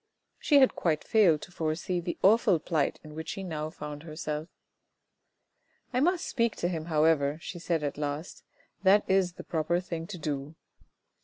She had quite failed to foresee the awful plight in which she now found herself. " I must speak to him, however," she said at last. " That is the proper thing to do.